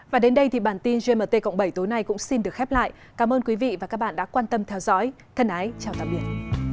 và đến đây thì bản tin gmt cộng bảy tối nay cũng xin được khép lại cảm ơn quý vị và các bạn đã quan tâm theo dõi thân ái chào tạm biệt